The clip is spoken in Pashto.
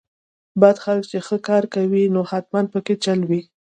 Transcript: بد خلک چې ښه کار کوي نو حتماً پکې چل وي.